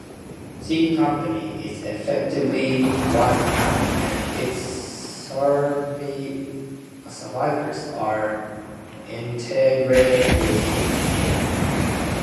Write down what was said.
C Company is effectively wiped out and its survivors are integrated with D Company.